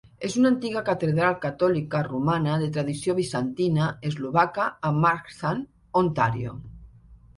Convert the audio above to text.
És una antiga catedral catòlica romana de tradició bizantina eslovaca a Markham, Ontario.